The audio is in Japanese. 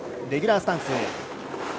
レギュラースタンス。